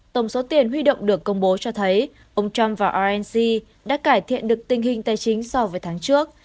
tổng số tiền huy động được công bố cho thấy ông trump và irenc đã cải thiện được tình hình tài chính so với tháng trước